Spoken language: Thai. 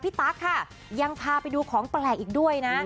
ตั๊กค่ะยังพาไปดูของแปลกอีกด้วยนะ